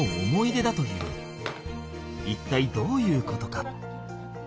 一体どういうことか？